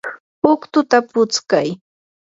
utkuta putskay.